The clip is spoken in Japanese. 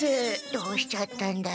どうしちゃったんだろ？